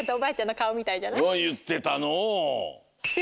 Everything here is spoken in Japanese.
いってたのう。